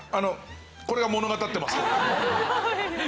これが物語ってますけれども。